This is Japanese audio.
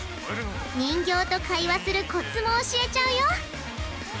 人形と会話するコツも教えちゃうよ！